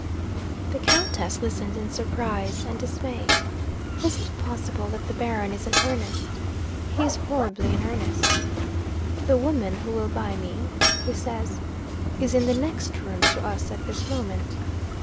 'The Countess listens in surprise and dismay. Is it possible that the Baron is in earnest? He is horribly in earnest. "The woman who will buy me," he says, "is in the next room to us at this moment.